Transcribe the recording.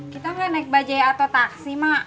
kita gak naik bajaya atau taksi mak